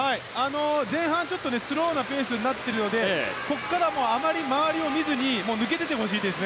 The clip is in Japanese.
前半、スローなペースになっているのでここからはあまり周りを見ず抜け出てほしいです。